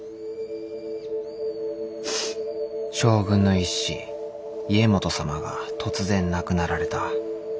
将軍の一子家基様が突然亡くなられた。